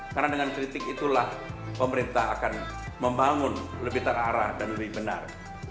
karena dengan kritik itulah pemerintah akan membangun lebih terarah dan lebih benar